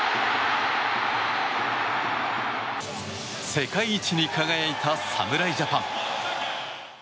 世界一に輝いた侍ジャパン。